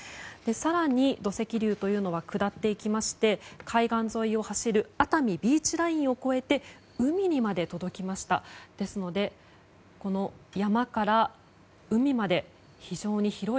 更に、土石流というのは下っていきまして海岸沿いを走る熱海ビーチラインを越えて海にまで届きました。